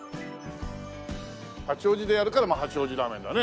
八王子でやるから八王子ラーメンだね。